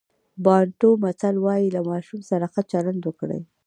بانټو متل وایي له ماشوم سره ښه چلند وکړئ.